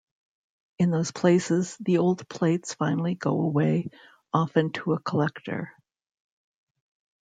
In those places, the old plates finally go away, often to a collector.